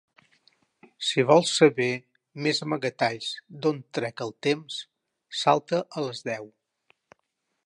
Si vols saber més amagatalls d'on trec el temps, salta a les deu.